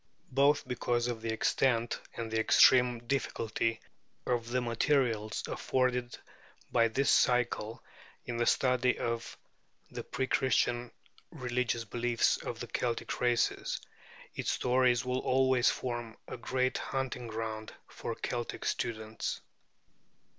Both because of the extent and the extreme difficulty of the materials afforded by this cycle in the study of the pre Christian religious beliefs of the Celtic races, its stories will always form a great hunting ground for Celtic students.